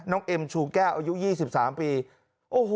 เอ็มชูแก้วอายุ๒๓ปีโอ้โห